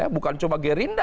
bukan cuma gerinda